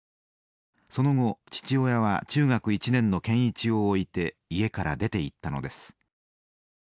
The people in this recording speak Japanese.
その後父親は中学１年の健一を置いて家から出ていったのです。